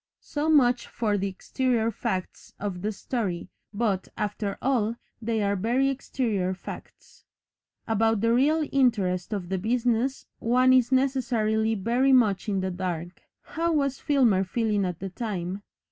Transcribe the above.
So much for the exterior facts of the story, but, after all, they are very exterior facts. About the real interest of the business one is necessarily very much in the dark. How was Filmer feeling at the time?